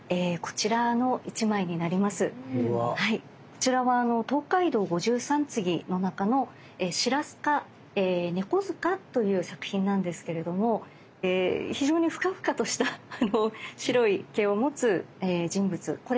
こちらは「東海道五十三次」の中の「白須賀猫塚」という作品なんですけれども非常にふかふかとした白い毛を持つ人物。